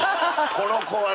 この子はね